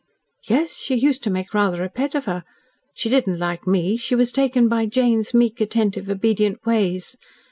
"Yes. She used to make rather a pet of her. She didn't like me. She was taken by Jane's meek, attentive, obedient ways.